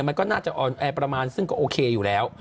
มันก็น่าจะออนแอร์ประมาณซึ่งก็โอเคอยู่แล้ว